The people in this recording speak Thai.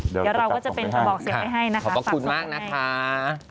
เดี๋ยวเราก็จะเป็นกล่องบอกเสียวให้ฝากให้